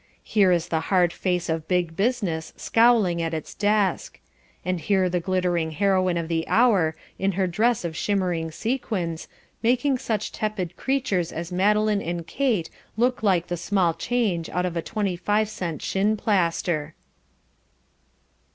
Here is the hard face of Big Business scowling at its desk; and here the glittering Heroine of the hour in her dress of shimmering sequins, making such tepid creatures as Madeline and Kate look like the small change out of a twenty five cent shinplaster.